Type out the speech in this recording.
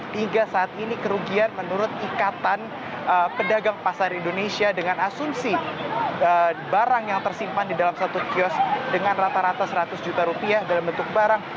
hingga saat ini kerugian menurut ikatan pedagang pasar indonesia dengan asumsi barang yang tersimpan di dalam satu kios dengan rata rata seratus juta rupiah dalam bentuk barang